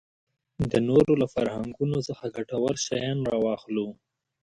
د نورو له فرهنګونو څخه ګټور شیان راواخلو.